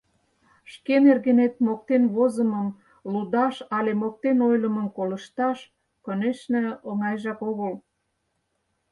Шке нергенет моктен возымым лудаш але моктен ойлымым колышташ, конешне, оҥайжак огыл.